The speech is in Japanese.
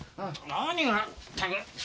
何を全く。